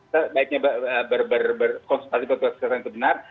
sebaiknya berkonsultasi perkeluargaan itu benar